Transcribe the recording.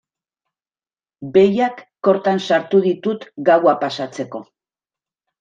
Behiak kortan sartu ditut gaua pasatzeko.